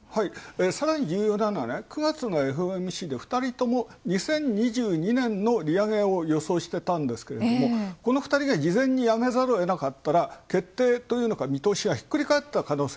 さらに重要なのは、９月のＦＯＭＣで２人とも２０２２年の利上げを予想してたんですけど、この２人が事前にやめざるをえなかったのが決定という見通しがひっくりかえった可能性。